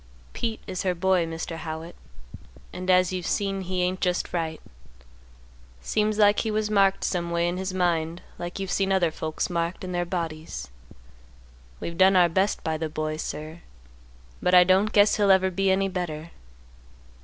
"Pete is her boy, Mr. Howitt, and as you've seen he ain't just right. Seems like he was marked some way in his mind like you've seen other folks marked in their bodies. We've done our best by the boy, sir, but I don't guess he'll ever be any better.